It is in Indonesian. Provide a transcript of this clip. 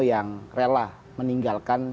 yang rela meninggalkan